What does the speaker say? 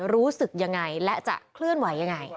รู้สึกยังไงและจะเคลื่อนไหวยังไง